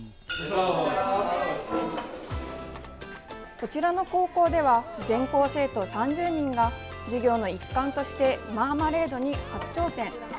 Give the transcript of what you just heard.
こちらの高校では全校生徒３０人が授業の一環としてマーマレードに初挑戦。